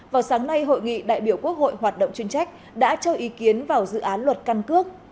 vào sáng nay hội nghị đại biểu quốc hội hoạt động chuyên trách đã cho ý kiến vào dự án luật căn cước